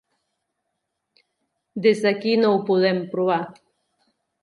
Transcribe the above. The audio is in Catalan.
Des d'aquí no ho podem provar.